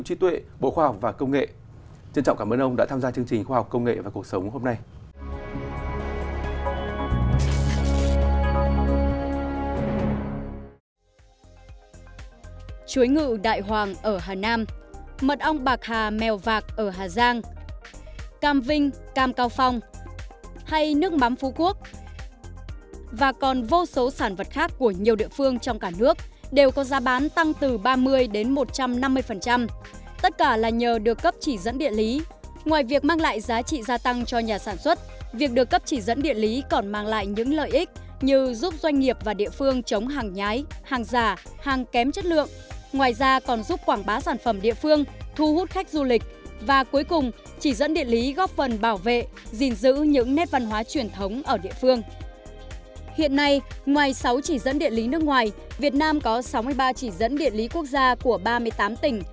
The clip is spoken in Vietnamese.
chân trọng cảm ơn ông đã tham gia chương trình khoa học công nghệ và cuộc sống hôm nay